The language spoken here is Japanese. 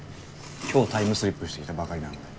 今日タイムスリップしてきたばかりなんで。